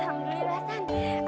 terima kasih bang